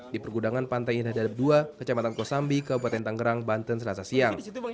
di pergudangan pantai indah dadap dua kecamatan kosambi kabupaten tanggerang banten selasa siang